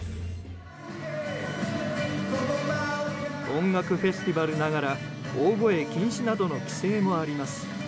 音楽フェスティバルながら大声禁止などの規制もあります。